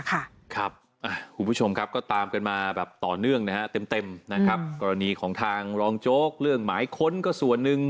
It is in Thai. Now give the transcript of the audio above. คุณผู้ชมก็ตามกันมาต่อเนื่องเต็มกรณีของทางรองโจ๊กเรื่องหมายค้นก็ส่วนหนึ่ง